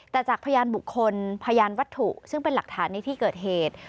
แต่จากพยานบุคคลพยานวัตถุซึ่งเป็นหลักฐานในที่เกิดเหตุ